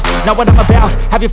tapi mbak dianah juga